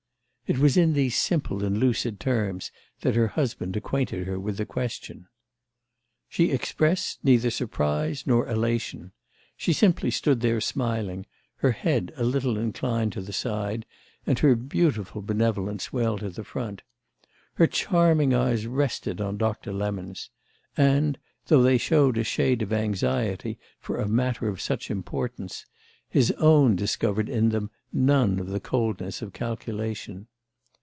It was in these simple and lucid terms that her husband acquainted her with the question. She expressed neither surprise nor elation; she simply stood there smiling, her head a little inclined to the side and her beautiful benevolence well to the front. Her charming eyes rested on Doctor Lemon's; and, though they showed a shade of anxiety for a matter of such importance, his own discovered in them none of the coldness of calculation.